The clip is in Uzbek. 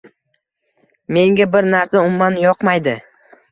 Menga bir narsa umuman yoqmaydi.